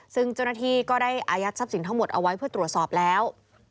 ซึ่งเจ้าหน้าที่ก็ได้อายัดทรัพย์สินทั้งหมดเอาไว้เพื่อตรวจสอบแล้ว